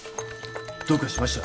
どうかしました？